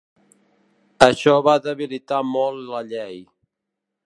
Això va debilitar molt la llei.